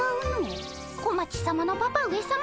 小町さまのパパ上さま